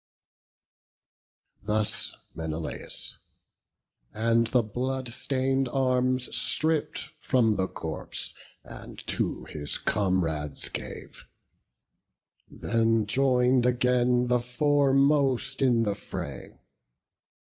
Thus Menelaus; and the blood stained arms Stripp'd from the corpse, and to his comrades gave; Then join'd again the foremost in the fray.